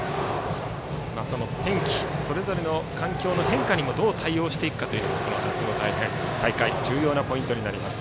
天気それぞれの環境に変化にどう対応していくかがこの夏の大会は重要なポイントになります。